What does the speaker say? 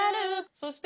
そして。